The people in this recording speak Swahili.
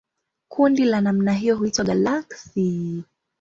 Kundi la namna hiyo huitwa galaksi.